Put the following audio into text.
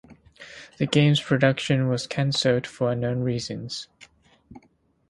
The game's production was cancelled for unknown reasons.